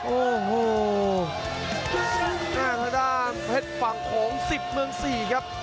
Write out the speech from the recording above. หน้าท้ายด้านเพชรฝั่งของ๑๐เมือง๔ครับ